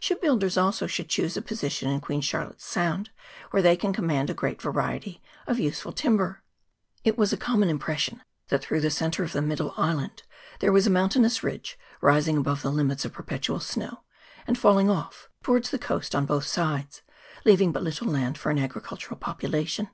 Shipbuilders also should choose a position in Queen Charlottes Sound where they can command a great variety of useful timber. It was a common impression that through the centre of the Middle Island there was a mountain ous ridge rising above the limits of perpetual snow, and falling off to wards the coast on both sides, leaving but little land for an agricultural population.